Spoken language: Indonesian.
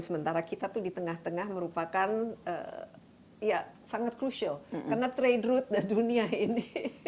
sementara kita itu di tengah tengah merupakan ya sangat penting karena perjalanan perniagaan di dunia ini